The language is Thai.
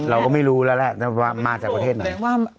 เราก็ไม่รู้แล้วแหละว่ามาจากประเทศไหน